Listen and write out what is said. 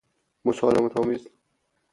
مسالمت آمیز